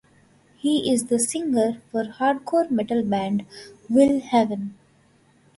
He is the singer for hardcore-metal band Will Haven.